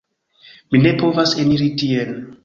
Mi ne povas eniri tien